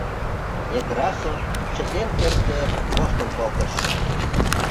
Некрасов чытен кертде воштыл колтыш: